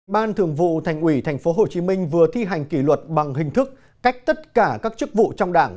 ban thường vụ thành ủy tp hcm vừa thi hành kỷ luật bằng hình thức cách tất cả các chức vụ trong đảng